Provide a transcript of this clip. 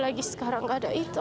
apalagi sekarang gak ada itu